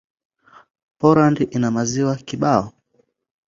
Poland ina maziwa kibao.